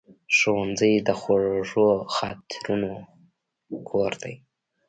ښوونځی د خوږو خاطرونو کور دی